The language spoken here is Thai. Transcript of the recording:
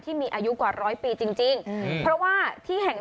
ต้องใช้ใจฟัง